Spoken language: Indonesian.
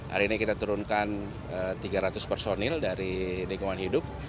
hari ini kita turunkan tiga ratus personil dari lingkungan hidup